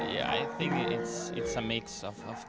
ya saya pikir ini adalah campuran hal hal